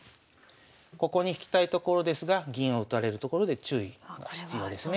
ここに引きたいところですが銀を打たれるところで注意が必要ですね。